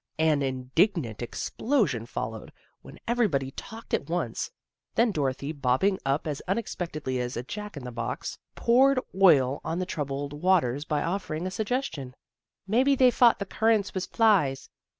An indignant explosion followed, when every body talked at once. Then Dorothy bobbing up as unexpectedly as a Jack in a box, poured oil on the troubled waters by offering a sug gestion. " Maybe they fought the currants was flies.